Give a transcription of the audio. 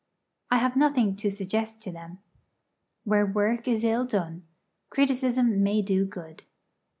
I have nothing to suggest to them. Where work is ill done, criticism may do good.